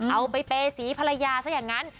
เอาไปเปสีภรรยาซะอย่างนั้น